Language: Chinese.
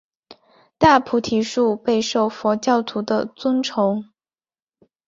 大菩提树备受佛教徒的尊崇。